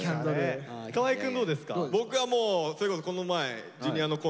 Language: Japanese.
河合くんどうですか？